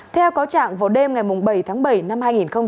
theo cáo trạng vào đêm ngày bảy tháng bảy năm hai nghìn hai mươi